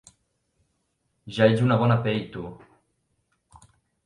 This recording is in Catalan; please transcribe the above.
Ja ets una bona pell, tu!